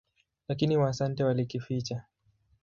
Lakini Waasante walikificha.